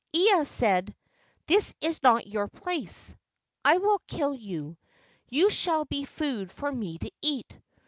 Ea said: "This is not your place. I will kill you. You shall be food for me to eat.